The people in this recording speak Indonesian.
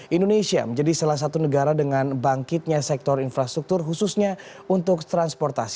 indonesia menjadi salah satu negara dengan bangkitnya sektor infrastruktur khususnya untuk transportasi